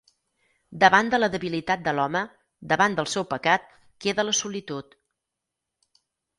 Davant de la debilitat de l'home, davant del seu pecat, queda la solitud.